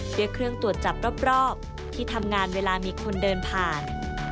ด้วยเครื่องตรวจจับรอบที่ทำงานเวลามีคนเดินผ่าน